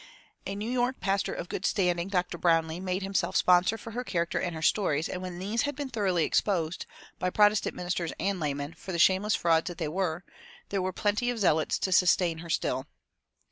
A New York pastor of good standing, Dr. Brownlee, made himself sponsor for her character and her stories; and when these had been thoroughly exposed, by Protestant ministers and laymen, for the shameless frauds that they were, there were plenty of zealots to sustain her still.